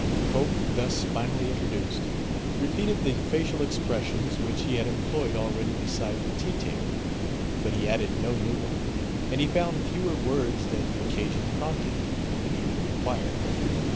Cope, thus finally introduced, repeated the facial expressions which he had employed already beside the tea table. But he added no new one; and he found fewer words than the occasion prompted, and even required.